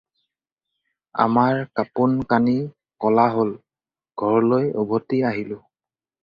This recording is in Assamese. আমাৰ কাপোন-কানি ক'লা হ'ল, ঘৰলৈ উভতি আহিলোঁ।